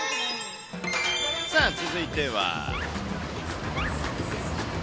さあ、続いては。